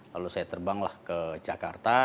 lalu saya terbanglah ke jakarta